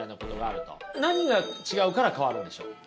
何が違うから変わるんでしょう？